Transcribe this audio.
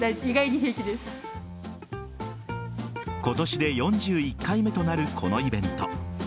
今年で４１回目となるこのイベント。